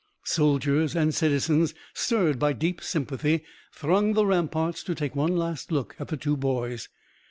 Soldiers and citizens, stirred by deep sympathy, thronged the ramparts to take one last look at the two boys.